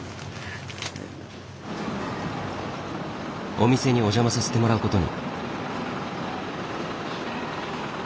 お店にお邪魔させてもらうことに。